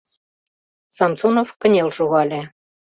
Самсонов кынел шогале.